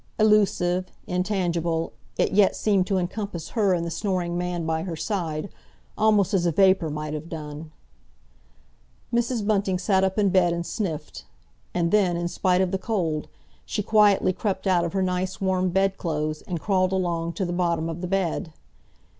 Elusive, intangible, it yet seemed to encompass her and the snoring man by her side, almost as a vapour might have done. Mrs. Bunting sat up in bed and sniffed; and then, in spite of the cold, she quietly crept out of her nice, warm bedclothes, and crawled along to the bottom of the bed.